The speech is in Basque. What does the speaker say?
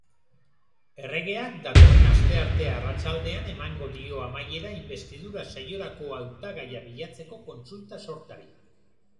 Erregeak datorren astearte arratsaldean emango dio amaiera inbestidura-saiorako hautagaia bilatzeko kontsulta-sortari.